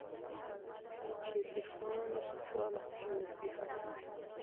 چي پښېمانه سوه له خپله نصیحته